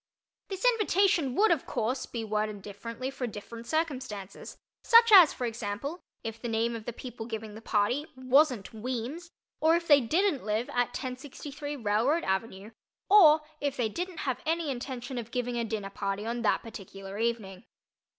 This invitation would of course be worded differently for different circumstances, such as, for example, if the name of the people giving the party wasn't Weems or if they didn't live at 1063 Railroad Ave., or if they didn't have any intention of giving a dinner party on that particular evening.